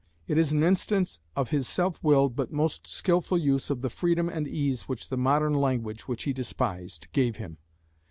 It is an instance of his self willed but most skilful use of the freedom and ease which the "modern language," which he despised, gave him.